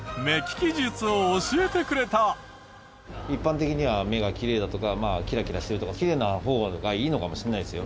一般的には目がきれいだとかキラキラしてるとかきれいな方がいいのかもしれないですよ。